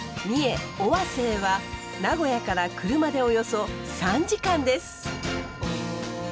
三重・尾鷲へは名古屋から車でおよそ３時間です。